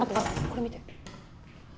これ見て。